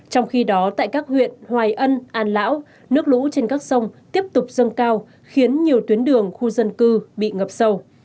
trong khi đó tại các huyện hoài ân an lão nước lũ trên các sông tiếp tục dâng cao khiến nhiều tuyến đường khu dân cư bị ngập sâu